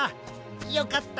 よかった！